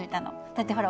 だってほら